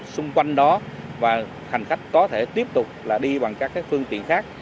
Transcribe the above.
xung quanh đó và hành khách có thể tiếp tục đi bằng các phương tiện khác